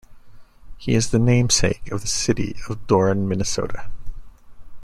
He is the namesake of the city of Doran, Minnesota.